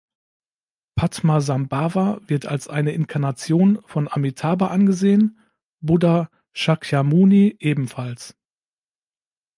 Padmasambhava wird als eine Inkarnation von Amitabha angesehen, Buddha Shakyamuni ebenfalls.